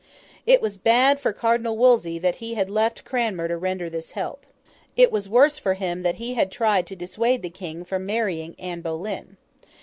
It was bad for Cardinal Wolsey that he had left Cranmer to render this help. It was worse for him that he had tried to dissuade the King from marrying Anne Boleyn.